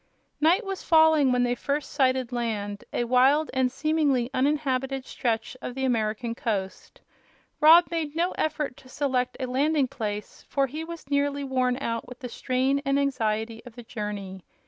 Night was falling when they first sighted land; a wild and seemingly uninhabited stretch of the American coast. Rob made no effort to select a landing place, for he was nearly worn out with a strain and anxiety of the journey.